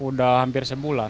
udah hampir sebulan